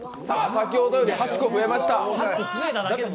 先ほどより８個増えました。